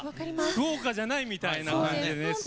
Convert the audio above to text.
福岡じゃないみたいな感じで。